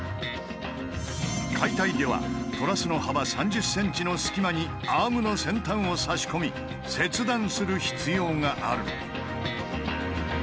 解体ではトラスの幅３０ｃｍの隙間にアームの先端を差し込み切断する必要がある。